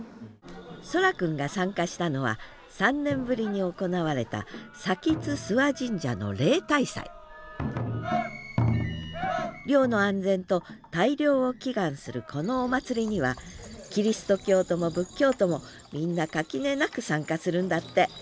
蒼空くんが参加したのは３年ぶりに行われた漁の安全と大漁を祈願するこのお祭りにはキリスト教徒も仏教徒もみんな垣根なく参加するんだって。